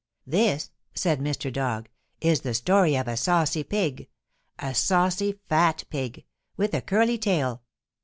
"This," said Mr. Dog, "is the story of a saucy pig a saucy, fat pig, with a curly tail.